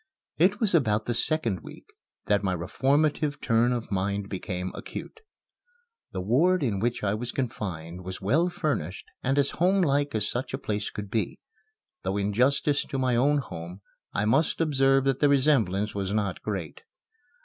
It was about the second week that my reformative turn of mind became acute. The ward in which I was confined was well furnished and as homelike as such a place could be, though in justice to my own home I must observe that the resemblance was not great.